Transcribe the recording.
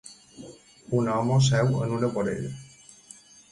Un home seu en una vorera.